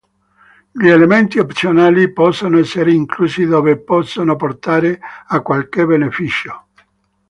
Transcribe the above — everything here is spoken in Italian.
Gli elementi opzionali possono essere inclusi dove possono portare a qualche beneficio.